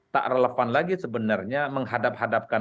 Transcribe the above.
tak relevan lagi sebenarnya menghadap hadapkan